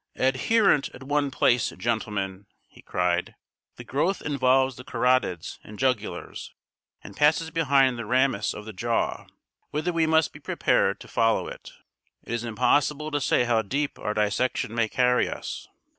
"Adherent at one place, gentlemen," he cried. "The growth involves the carotids and jugulars, and passes behind the ramus of the jaw, whither we must be prepared to follow it. It is impossible to say how deep our dissection may carry us.